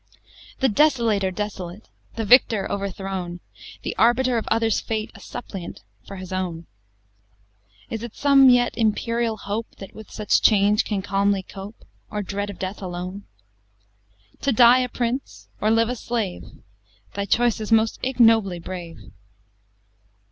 V The Desolator desolate! The Victor overthrown! The Arbiter of others' fate A Suppliant for his own! Is it some yet imperial hope That with such change can calmly cope? Or dread of death alone? To die a prince or live a slave Thy choice is most ignobly brave!